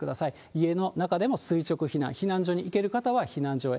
家の中でも垂直避難、避難所に行ける方は避難所へ。